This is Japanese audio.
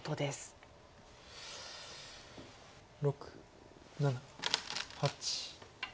６７８。